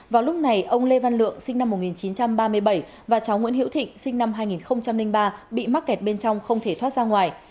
vào lúc này ông lê văn lượng sinh năm một nghìn chín trăm ba mươi bảy và cháu nguyễn hiễu thịnh sinh năm hai nghìn ba bị mắc kẹt bên trong không thể thoát ra ngoài